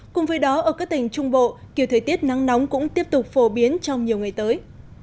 cùng với đó ở các tỉnh trung bộ kiểu thời tiết nắng nóng cũng tiếp tục phổ biến trong nhiều ngày tới